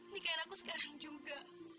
nikahin aku sekarang juga